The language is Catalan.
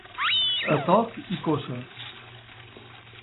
A toc i coça.